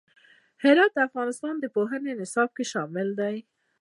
هرات د افغانستان د پوهنې نصاب کې شامل دی.